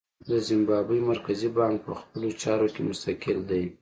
د زیمبابوې مرکزي بانک په خپلو چارو کې مستقل دی.